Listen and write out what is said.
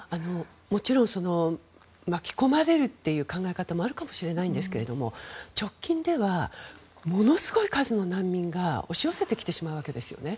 もちろん巻き込まれるという考え方もあるかもしれないんですけど直近ではものすごい数の難民が押し寄せてきてしまうわけですよね。